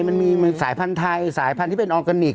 มันมีสายพันธุ์ไทยสายพันธุ์ที่เป็นออร์แกนิค